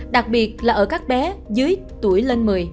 đặc biệt là ở các bé dưới tuổi lên một mươi